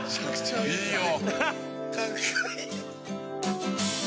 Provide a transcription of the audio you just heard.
いいよ！